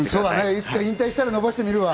いつか引退したら、伸ばしてみるわ。